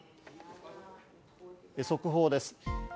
速報です。